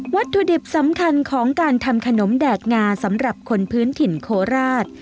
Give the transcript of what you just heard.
วัตถุดิบสำคัญของการทำขนมแดกงาสำหรับคนพื้นถิ่นโคราช